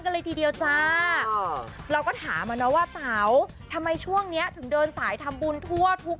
เลยทีเดียวจ้าเราก็ถามอะเนาะว่าเต๋าทำไมช่วงนี้ถึงเดินสายทำบุญทั่วทุก